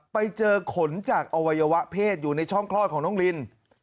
ไปเจอขนจากอวัยวะเพศอยู่ในช่องคลอดของน้องลิน